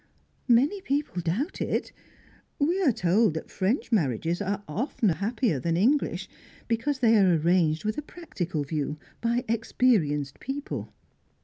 "Many people doubt it. We are told that French marriages are often happier than English, because they are arranged with a practical view, by experienced people."